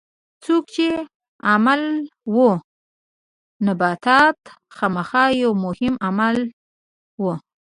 څوک یې عامل وو؟ نباتات خامخا یو مهم عامل و.